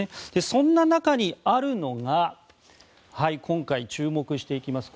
そんな中にあるのが今回注目していきます